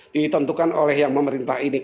ditentukan oleh yang memerintah ini